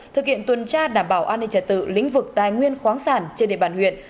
thực hiện tuần tra đảm bảo an ninh trật tự lĩnh vực tài nguyên khoáng sản trên địa bàn huyện